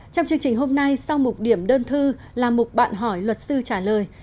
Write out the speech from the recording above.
trong chương trình hôm nay sau mục điểm đơn thư là mục bạn hỏi luật sư trả lời